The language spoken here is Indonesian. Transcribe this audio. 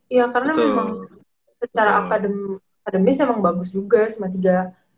iya karena memang secara akademis emang bagus juga sama tidak